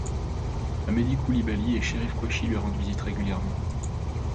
Amedy Coulibaly et Chérif Kouachi lui rendent visite régulièrement.